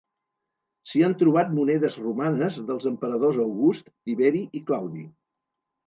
S'hi han trobat monedes romanes dels emperadors August, Tiberi i Claudi.